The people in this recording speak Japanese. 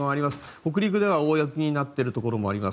北陸では大雪になっているところもあります。